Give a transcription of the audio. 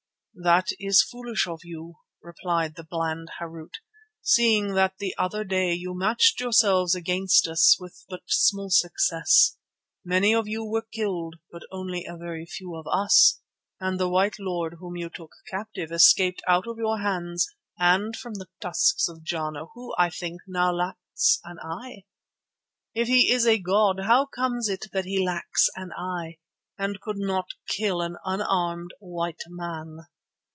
"That is foolish of you," replied the bland Harût, "seeing that the other day you matched yourselves against us with but small success. Many of you were killed but only a very few of us, and the white lord whom you took captive escaped out of your hands and from the tusks of Jana who, I think, now lacks an eye. If he is a god, how comes it that he lacks an eye and could not kill an unarmed white man?"